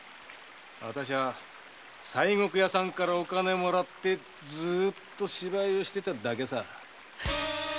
私は西国屋さんからお金をもらってずっと芝居をしていただけさ。